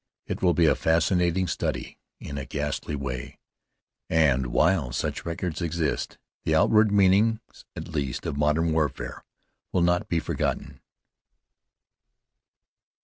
It will be a fascinating study, in a ghastly way; and while such records exist, the outward meanings, at least, of modern warfare will not be forgotten.